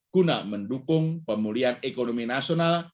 guna mendukung pemulihan ekonomi nasional